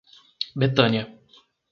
Betânia